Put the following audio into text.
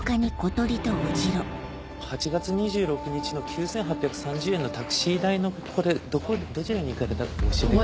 ８月２６日の９８３０円のタクシー代のこれどちらに行かれたか教えて。